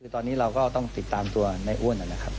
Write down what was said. คือตอนนี้เราก็ต้องติดตามตัวในอ้วนนะครับ